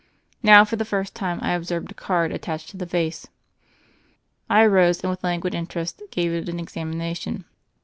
Now, for the first time, I observed a card at tached to the vase. I arose and with languid interest gave it an examination.